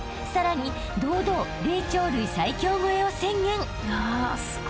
［さらに堂々霊長類最強超えを宣言］